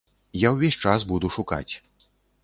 Я ўвесь час буду шукаць.